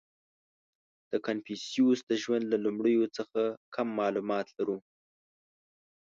• د کنفوسیوس د ژوند له لومړیو څخه کم معلومات لرو.